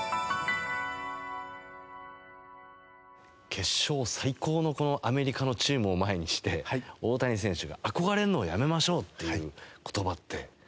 決勝最高のアメリカのチームを前にして大谷選手が「憧れるのをやめましょう」っていう言葉って。